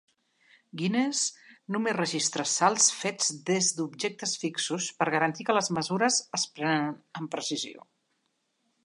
Guinness només registra salts fets des d'objectes fixos per garantir que les mesures es prenen amb precisió.